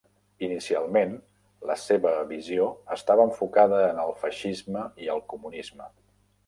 Inicialment, la seva visió estava enfocada en el feixisme i el comunisme.